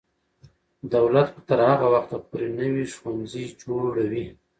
دولت به تر هغه وخته پورې نوي ښوونځي جوړوي.